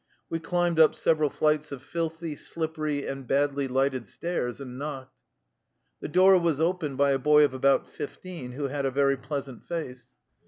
We climbed up several flights of filthy, slippery, and badly lighted stairs and knocked. The door was opened by a boy of about 15, who had a very pleasant face.